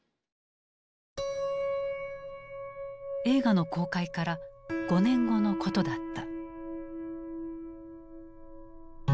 映画の公開から５年後のことだった。